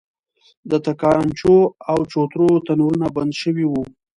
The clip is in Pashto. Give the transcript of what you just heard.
د تنګاچو او چوترو تنورونه بند شوي وو.